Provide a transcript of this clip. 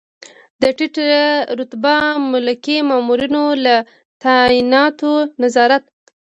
د ټیټ رتبه ملکي مامورینو له تعیناتو نظارت.